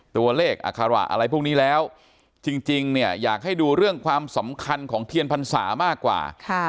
ตัวเลขอัคระอะไรพวกนี้แล้วจริงเนี่ยอยากให้ดูเรื่องความสำคัญของเทียนพรรษามากกว่า